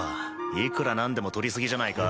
いくらなんでも取り過ぎじゃないか？